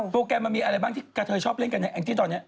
แกรมมันมีอะไรบ้างที่กระเทยชอบเล่นกันในแองจี้ตอนนี้